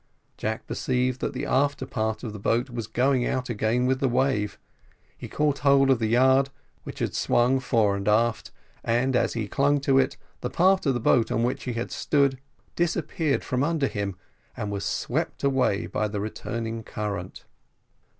Jack perceived that the after part of the boat was going out again with the wave; he caught hold of the yard which had swung fore and aft, and as he clung to it, the part of the boat on which he had stood disappeared from under him, and was swept away by the returning current.